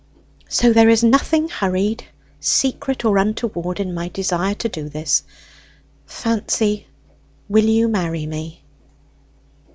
So there is nothing hurried, secret, or untoward in my desire to do this. Fancy, will you marry me?"